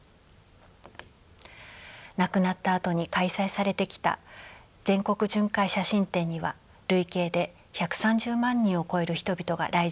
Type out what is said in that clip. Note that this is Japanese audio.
亡くなったあとに開催されてきた全国巡回写真展には累計で１３０万人を超える人々が来場しています。